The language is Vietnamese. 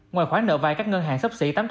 ngoài khoản nợ vai các ngân hàng sắp xỉ